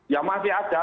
ya masih ada aja mbak